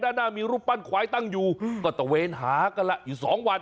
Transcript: ด้านหน้ามีรูปปั้นควายตั้งอยู่ก็ตะเวนหากันล่ะอยู่สองวัน